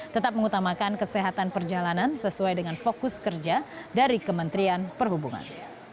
tetap mengutamakan kesehatan perjalanan sesuai dengan fokus kerja dari kementerian perhubungan